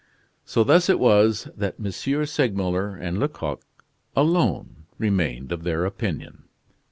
So thus it was that M. Segmuller and Lecoq alone remained of their opinion.